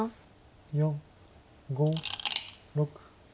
４５６。